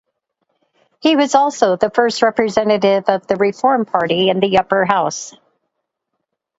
He was also the first representative of the Reform Party in the Upper House.